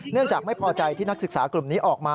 จากไม่พอใจที่นักศึกษากลุ่มนี้ออกมา